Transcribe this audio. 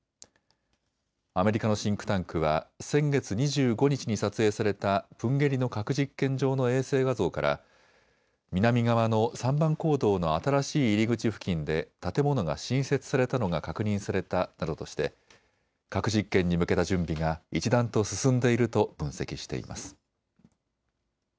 アメリカのシンクタンクは先月２５日に撮影されたプンゲリの核実験場の衛星画像から南側の３番坑道の新しい入り口付近で建物が新設されたのが確認されたなどとして核実験に向けた準備が一段と進んでいると分析しています。